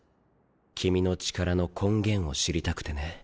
君の力の根源を知りたくてね。